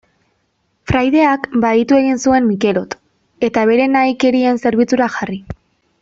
Fraideak bahitu egin zuen Mikelot, eta bere nahikerien zerbitzura jarri.